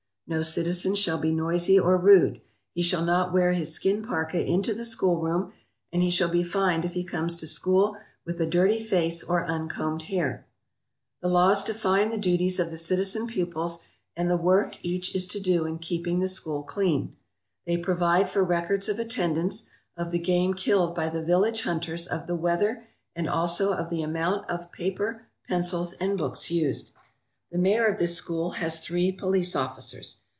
"No citizen shall be noisy or rude. He shall not wear his skin parka into the schoolroom, and he shall be fined if he comes to school with a dirty face or uncombed hair/' The laws define the duties of the citizen pupils and the work each is to do in keeping the school clean. They pro vide for records of attendance, of the game killed by the village hunters, of the weather, and also of the amount of paper, pencils, and books used. The mayor of this school has three police officers.